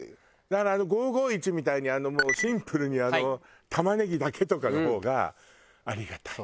だから５５１みたいにシンプルにたまねぎだけとかの方がありがたい。